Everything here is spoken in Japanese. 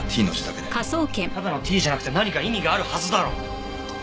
ただのＴじゃなくて何か意味があるはずだろ！